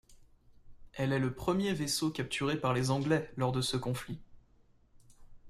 Elle est le premier vaisseau capturé par les anglais lors de ce conflit.